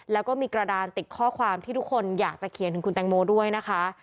แล้วก็มีกระดานติดข้อความที่ทุกคนอยากจะเขียนถึงคุณแตงโมด้วยนะคะ